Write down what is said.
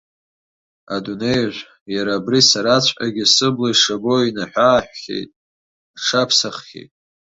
Адунеиажә, иара абри сараҵәҟьагьы сыбла ишабо инаҳәы-ааҳәхьеит, аҽаԥсаххьеит.